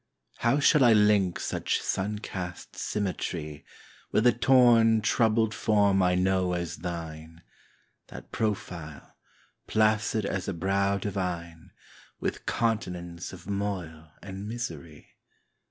How shall I link such sun cast symmetry With the torn troubled form I know as thine, That profile, placid as a brow divine, With continents of moil and misery?